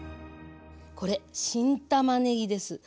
これ新たまねぎです。